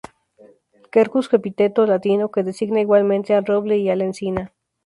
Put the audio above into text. Quercus: epíteto latino que designa igualmente al roble y a la encina.